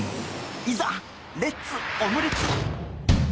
いざレッツオムレツ！